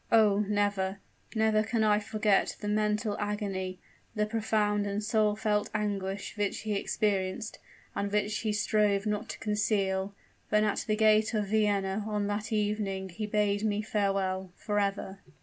Oh! never never can I forget the mental agony the profound and soul felt anguish which he experienced, and which he strove not to conceal, when at the gate of Vienna on that evening he bade me farewell forever."